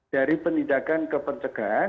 dari penindakan ke pencegahan